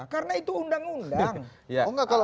karena itu undang undang